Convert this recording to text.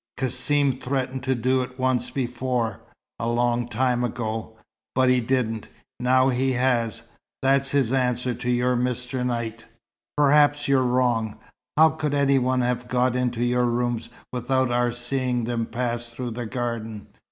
"Cassim threatened to do it once before a long time ago but he didn't. Now he has. That's his answer to your Mr. Knight." "Perhaps you're wrong. How could any one have got into your rooms without our seeing them pass through the garden?"